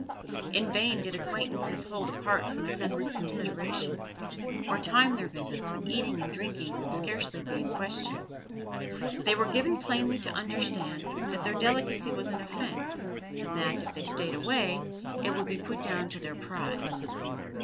In vain did acquaintances hold apart from a sense of consideration, or time their visits when eating and drinking could scarcely be in question; they were given plainly to understand that their delicacy was an offence, and that, if they stayed away, it would be put down to their pride.